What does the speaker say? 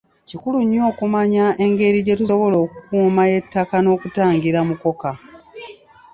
Kikulu nnyo okumanya engeri gye tusobola okukuuma ettaka n'okutangira mukoka